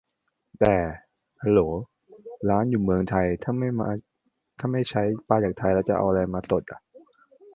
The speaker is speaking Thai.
แต่ ฮัลโหล ร้านอยู่เมืองไทย ถ้าไม่ใช้ปลาจากไทย แล้วจะเอาอะไรมาสดอะ